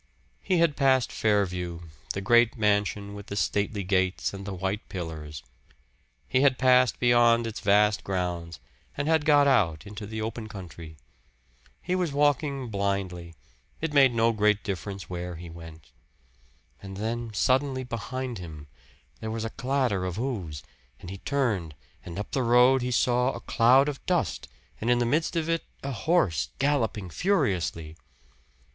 He had passed "Fairview," the great mansion with the stately gates and the white pillars. He had passed beyond its vast grounds, and had got out into the open country. He was walking blindly it made no great difference where he went. And then suddenly behind him there was a clatter of hoofs; and he turned, and up the road he saw a cloud of dust, and in the midst of it a horse galloping furiously.